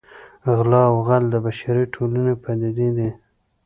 غلا او غل د بشري ټولنې پدیدې دي